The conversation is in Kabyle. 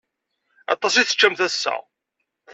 Aṭas i teččamt ass-a.